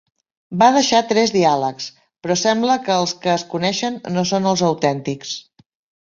Va deixar tres diàlegs, però sembla que els que es coneixen no són els autèntics.